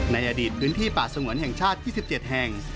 ในอดีตพื้นที่ป่าสงวนแห่งชาติ๒๗แห่ง